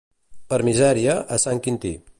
Per misèria, a Sant Quintí.